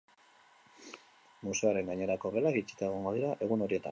Museoaren gainerako gelak itxita egongo dira egun horietan, hori bai.